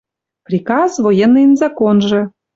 Приказ — военныйын законжы